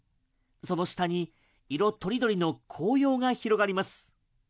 その下に色とりどりの紅葉が広がります。